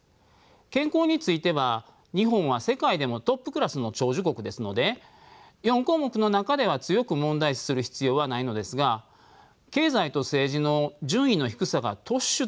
健康については日本は世界でもトップクラスの長寿国ですので４項目の中では強く問題視する必要はないのですが経済と政治の順位の低さが突出しています。